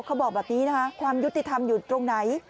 เขาบอกแบบนี้นะคะความยุติธรรมอยู่ตรงไหน